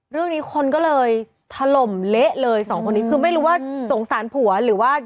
เรื่องนี้คนก็เลยถล่มเละเลยสองคนนี้คือไม่รู้ว่าสงสารผัวหรือว่า